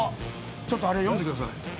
ちょっとあれ読んでください。